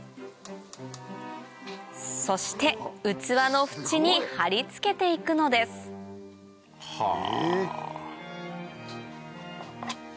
そして器の縁に貼り付けて行くのですはぁ。